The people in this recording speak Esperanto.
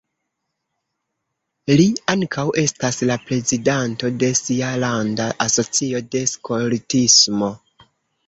Li ankaŭ estas la prezidanto de sia landa asocio de skoltismo.